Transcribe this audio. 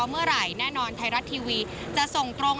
เมื่อไหร่แน่นอนไทยรัฐทีวีจะส่งตรง